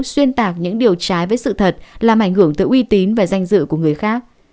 xuyên tạc những điều trái với sự thật làm ảnh hưởng tới uy tín và danh dự của người khác